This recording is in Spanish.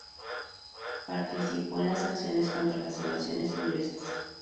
Participó en las acciones contra las Invasiones Inglesas.